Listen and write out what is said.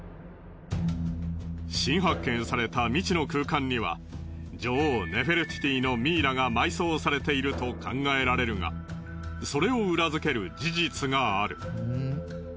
新発見された未知の空間には女王ネフェルティティのミイラが埋葬されていると考えられるがそれを裏付ける事実がある。